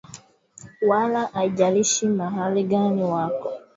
wala haijalishi mahali gani wako